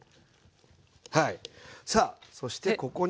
さあそしてここに。